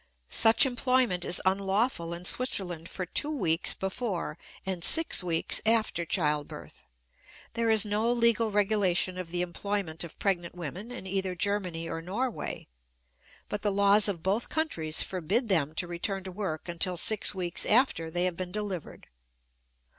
Such employment is unlawful in Switzerland for two weeks before and six weeks after childbirth. There is no legal regulation of the employment of pregnant women in either Germany or Norway, but the laws of both countries forbid them to return to work until six weeks after they have been delivered.